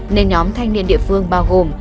nên nhóm thanh niên địa phương báo cáo nguyễn văn nâng